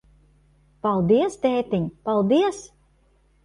Paldies, tētiņ, paldies.